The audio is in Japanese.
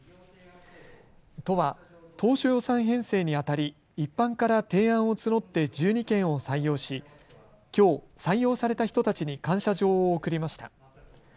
都は当初予算編成にあたり一般から提案を募って１２件を採用しきょう、採用された人たちに感謝状を贈りました。